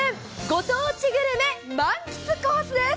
ご当地グルメ満喫コースです！